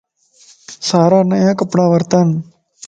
سارا نيا ڪپڙا ورتان